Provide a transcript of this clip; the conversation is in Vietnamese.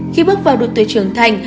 khi bước vào đột tuyệt trưởng thành